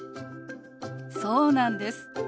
そうなんです。